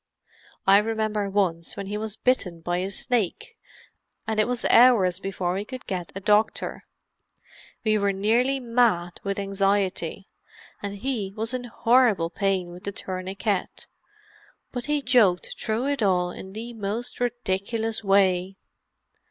I remember once when he was bitten by a snake, and it was hours before we could get a doctor. We were nearly mad with anxiety, and he was in horrible pain with the tourniquet, but he joked through it all in the most ridiculous way.